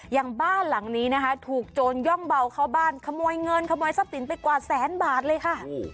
อย่างบ้านหลังนี้นะคะถูกโจรย่องเบาเข้าบ้านขโมยเงินขโมยทรัพย์สินไปกว่าแสนบาทเลยค่ะ